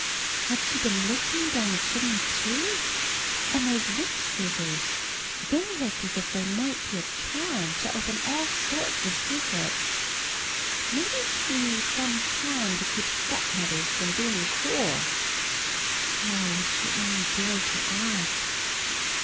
Had she been listening down the chimney, too? And those witch scissors! They looked as if they might be a charm to open all sorts of secrets. Maybe she knew some charm to keep stepmothers from being cruel. Oh, if she only dared to ask!